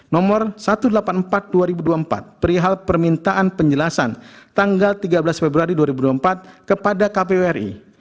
nomor satu ratus delapan puluh empat dua ribu dua puluh empat perihal permintaan penjelasan tanggal tiga belas februari dua ribu dua puluh empat kepada kpu ri